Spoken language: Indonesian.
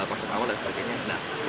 nah ciptalah ini sebagai partner awal